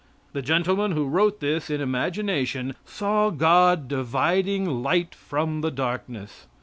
The gentleman who wrote this in imagination saw God dividing light from the darkness.